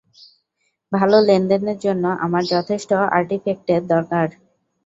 ভালো লেনদেনের জন্য আমার যথেষ্ট আর্টিফেক্টের দরকার।